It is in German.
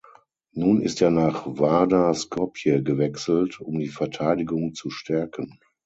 Nun ist er nach Vardar Skopje gewechselt, um die Verteidigung zu stärken.